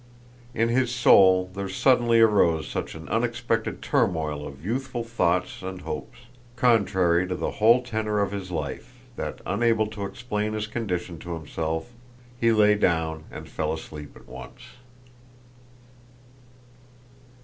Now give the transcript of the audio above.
In his soul there suddenly arose such an unexpected turmoil of youthful thoughts and hopes, contrary to the whole tenor of his life, that unable to explain his condition to himself he lay down and fell asleep at once.